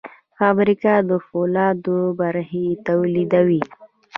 فابریکه د فولادو برخې تولیدوي.